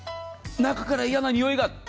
中から嫌なにおいが。